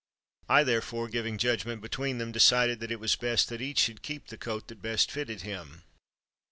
I, therefore, giving judgment between them, de cided that it was best that each should keep the coat that best fitted him.